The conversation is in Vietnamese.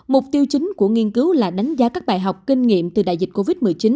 mục tiêu chính của nghiên cứu là đánh giá các bài học kinh nghiệm từ đại dịch covid một mươi chín